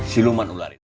siluman ular itu